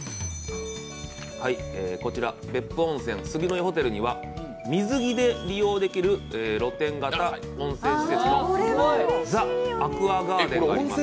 こちら別府温泉杉乃井ホテルには水着で利用できる露天型温浴施設、ザアクアガーデンがあります。